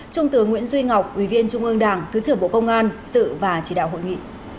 trung tướng nguyễn duy ngọc quý viên trung ương đảng thứ trưởng bộ công an sự và chỉ đạo hội nghị